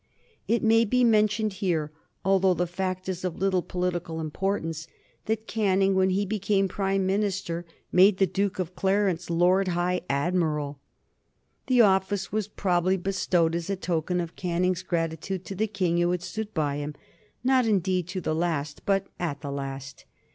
It may be mentioned here, although the fact is of little political importance, that Canning when he became Prime Minister made the Duke of Clarence Lord High Admiral. The office was probably bestowed as a token of Canning's gratitude to the King who had stood by him, not indeed to the last, but at the last.